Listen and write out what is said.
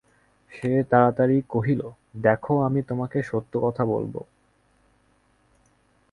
সে তাড়াতাড়ি কহিল, দেখো, আমি তোমাকে সত্য কথা বলব।